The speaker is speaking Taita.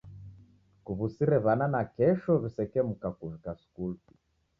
Kuw'usire w'ana nakesho w'isekemuka kuvika skulu